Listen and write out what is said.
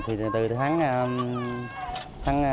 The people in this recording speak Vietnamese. thì từ tháng